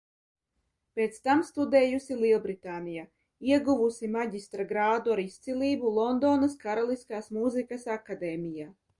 Pēc tam studējusi Lielbritānijā, ieguvusi maģistra grādu ar izcilību Londonas Karaliskās mūzikas akadēmijā.